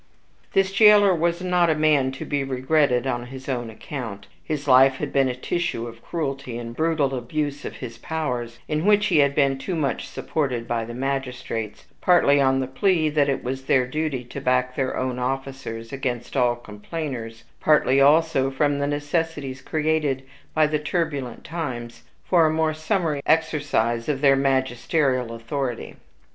This jailer was not a man to be regretted on his own account; his life had been a tissue of cruelty and brutal abuse of his powers, in which he had been too much supported by the magistrates, partly on the plea that it was their duty to back their own officers against all complainers, partly also from the necessities created by the turbulent times for a more summary exercise of their magisterial authority.